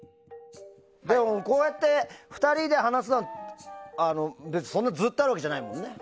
こうやって２人で話すのがそんなずっとあるわけじゃないもんね。